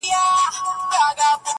چي هم ما هم مي ټبر ته یې منلی؛